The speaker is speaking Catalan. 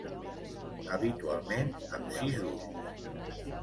Habitualment amb sis ulls.